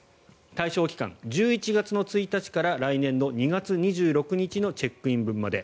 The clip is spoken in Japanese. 対象期間１１月の１日から来年の２月２６日のチェックイン分まで。